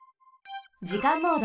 じかんモード。